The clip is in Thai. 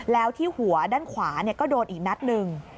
แล้วที่หัวด้านขวาก็โดนอีกนัดหนึ่ง